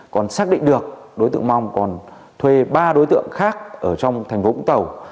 còn xác định được đối tượng mong còn thuê ba đối tượng khác ở trong thành phố vũng tàu